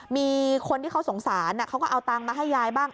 มีคนที่เขาสงสารเขาก็เอาตังค์มาให้ยายบ้าง